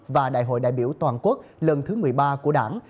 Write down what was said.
và đại hội đại biểu toàn quốc lần thứ một mươi ba của đảng